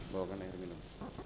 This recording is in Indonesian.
bawa air minum